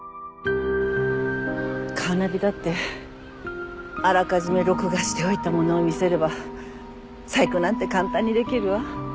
カーナビだってあらかじめ録画しておいたものを見せれば細工なんて簡単にできるわ。